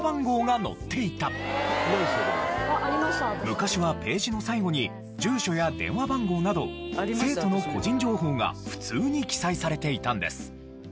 昔はページの最後に住所や電話番号など生徒の個人情報が普通に記載されていたんです。